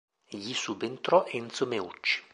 Gli subentrò Enzo Meucci.